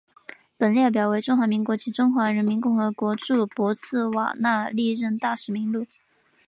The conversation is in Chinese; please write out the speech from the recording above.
本列表为中华民国及中华人民共和国驻博茨瓦纳历任大使名录。